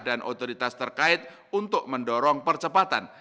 dan otoritas terkait untuk mendorong percepatan